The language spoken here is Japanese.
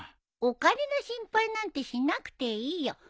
お金の心配なんてしなくていいよ。